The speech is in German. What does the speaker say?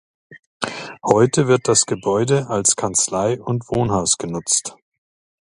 Heute wird das Gebäude als Kanzlei und Wohnhaus genutzt.